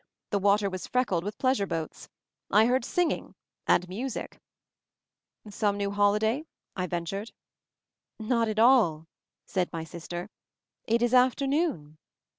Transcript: The water was freckled with pleasure boats. I heard singing — and music. "Some new holiday?" I ventured. "Not at all," said my sister. "It is after noon."